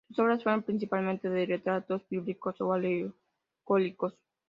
Sus obras fueron principalmente de retratos bíblicos o alegóricos